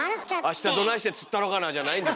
明日どないして釣ったろかなあじゃないんですよ。